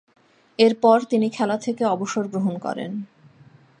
এরপর তিনি খেলা থেকে অবসর গ্রহণ করেন।